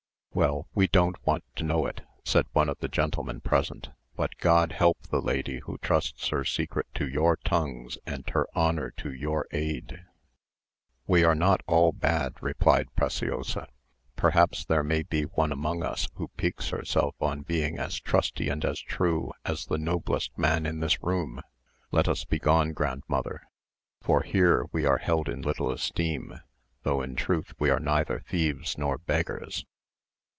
"Well, we don't want to know it," said one of the gentlemen present; "but God help the lady who trusts her secret to your tongues, and her honour to your aid." "We are not all bad," replied Preciosa; "perhaps there may be one among us who piques herself on being as trusty and as true as the noblest man in this room. Let us begone, grandmother; for here we are held in little esteem, though in truth we are neither thieves nor beggars."